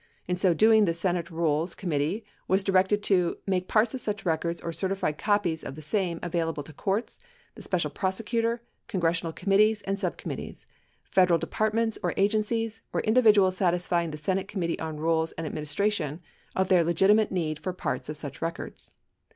In doing so, the Senate Rules Committee was directed to: "Make parts of such records or certified copies of the same available to courts, the Special Prosecutor, con gressional committees and subcommittees, Federal departments or agencies, or individuals satisfying the Senate Committee on Rules and Administration of their legitimate need for parts of such records."